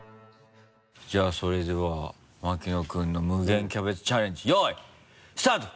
じゃあそれでは牧野君の「無限キャベツチャレンジ」よいスタート！